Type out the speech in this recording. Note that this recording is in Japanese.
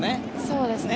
そうですね。